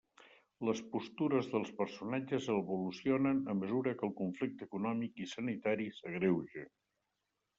Les postures dels personatges evolucionen a mesura que el conflicte econòmic i sanitari s'agreuja.